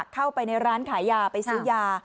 เข้าไปในร้านขายยาไปซื้อยา